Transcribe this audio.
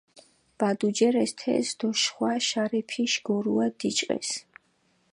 ვადუჯერეს თეს დო შხვა შარეფიში გორუა დიჭყეს.